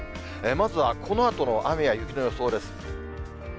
まずはこのあとの雨や雪の予想です。